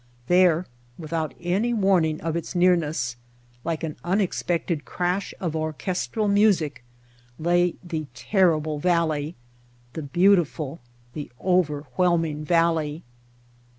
There, without any warning of its nearness, like White Heart of Mojave an unexpected crash of orchestral music, lay the terrible valley, the beautiful, the overwhelming valley.